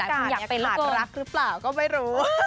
ทหารอากาศขาดรักหรือเปล่าก็ไม่รู้